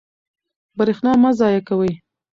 برښنا مه ضایع کوئ.